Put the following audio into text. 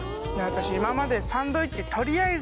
私今までサンドイッチ